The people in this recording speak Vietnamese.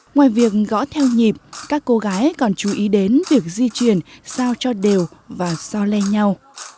ngoài việc gõ theo nhịp các cô gái còn chú ý đến việc di chuyển sao cho đều và sao le nhau